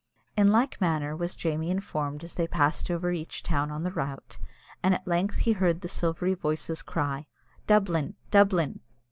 In like manner was Jamie informed as they passed over each town on the rout, and at length he heard the silvery voices cry, "Dublin! Dublin!"